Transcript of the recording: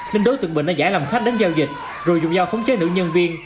nên đối tượng bình đã giải làm khách đến giao dịch rồi dùng giao khống chế nữ nhân viên